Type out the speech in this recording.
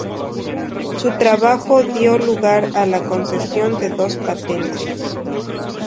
Su trabajo dio lugar a la concesión de dos patentes.